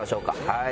はい。